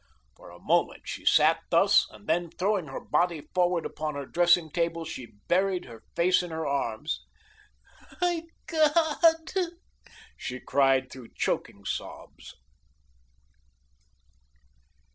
For a moment she sat thus and then, throwing her body forward upon her dressing table, she buried her face in her arms. "My God!" she cried through choking sobs.